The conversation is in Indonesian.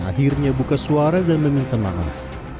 akhirnya buka suara dan meminta maaf